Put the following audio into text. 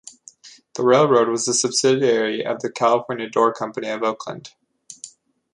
The railroad was a subsidiary of the California Door Company of Oakland.